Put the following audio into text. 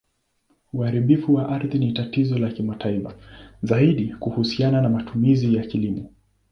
Uharibifu wa ardhi ni tatizo la kimataifa, zaidi kuhusiana na matumizi ya kilimo.